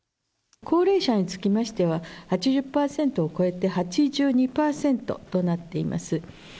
高齢者につきましては、８０％を超えて、８２％となっています。